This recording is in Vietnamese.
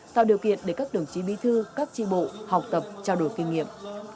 tạo điều kiện để các đồng chí bí thư các tri bộ học tập trao đổi kinh nghiệm